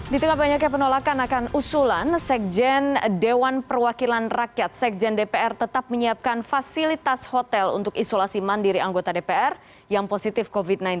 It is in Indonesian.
di tengah banyaknya penolakan akan usulan sekjen dewan perwakilan rakyat sekjen dpr tetap menyiapkan fasilitas hotel untuk isolasi mandiri anggota dpr yang positif covid sembilan belas